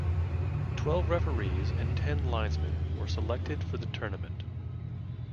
Twelve referees and ten linesmen were selected for the tournament.